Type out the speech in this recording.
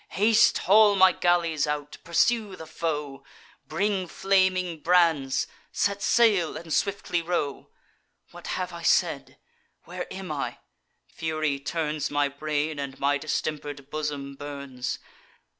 Haste, haul my galleys out! pursue the foe! Bring flaming brands! set sail, and swiftly row! What have I said? where am I? Fury turns My brain; and my distemper'd bosom burns.